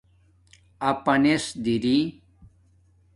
اپانس دری